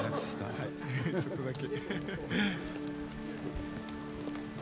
はいちょっとだけ。